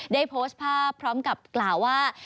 ได้โพสต์ภาพพร้อมกับกล่าวว่า